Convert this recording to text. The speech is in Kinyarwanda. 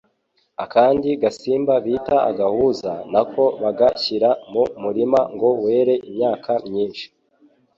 Akandi gasimba bita Agahuza, nako baga shyira mu murima ngo were imyaka myinshi